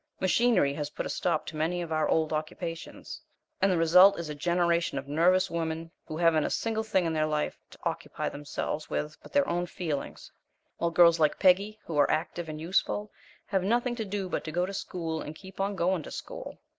Machinery has put a stop to many of our old occupations, and the result is a generation of nervous women who haven't a single thing in life to occupy themselves with but their own feelings, while girls like Peggy, who are active and useful, have nothing to do but to go to school and keep on going to school.